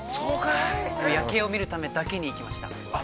◆夜景を見るためだけに行きました。